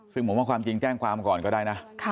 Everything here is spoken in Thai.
ซึ่งผมว่าความจริงแจ้งความก่อนก็ได้นะ